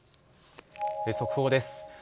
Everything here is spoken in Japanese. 速報です。